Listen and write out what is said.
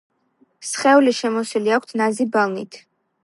სხეული შემოსილი აქვთ ნაზი ბალნით.